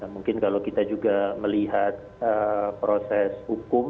mungkin kalau kita juga melihat proses hukum